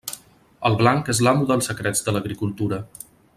El blanc és l'amo dels secrets de l'agricultura.